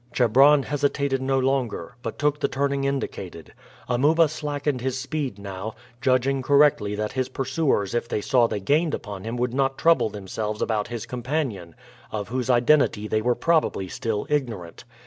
Chebron hesitated no longer, but took the turning indicated. Amuba slackened his speed now, judging correctly that his pursuers if they saw they gained upon him would not trouble themselves about his companion, of whose identity they were probably still ignorant.